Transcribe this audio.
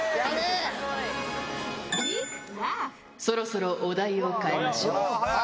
そろそろお題を変えましょう。